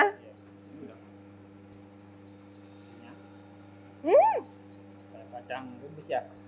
hmm seperti kacang rebus ya